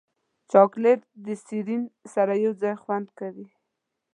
چاکلېټ د سیرین سره یوځای خوند کوي.